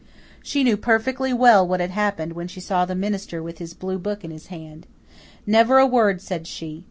She knew perfectly well what had happened when she saw the minister with his blue book in his hand. Never a word said she.